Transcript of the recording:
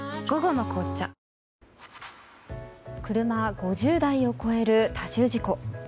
車５０台を超える多重事故。